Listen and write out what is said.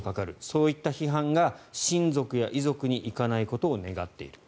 そういった批判が親族や遺族に行かないことを願っている。